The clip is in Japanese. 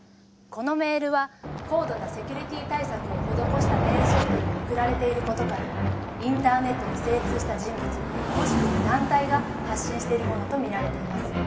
「このメールは高度なセキュリティー対策を施したメールソフトにも送られている事からインターネットに精通した人物もしくは団体が発信しているものとみられています」